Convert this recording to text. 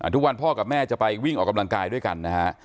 พ่อกับแม่จะไปวิ่งออกกำลังกายด้วยกันนะฮะ